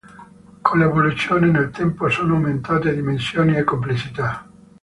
Con l'evoluzione, nel tempo sono aumentate dimensioni e complessità.